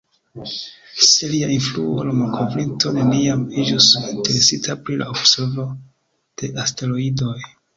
Sen lia influo, la malkovrinto neniam iĝus interesita pri la observo de asteroidoj.